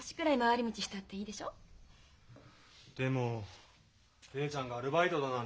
でも怜ちゃんがアルバイトだなんて。